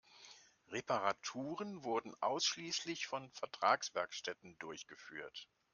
Reparaturen wurden ausschließlich von Vertragswerkstätten durchgeführt.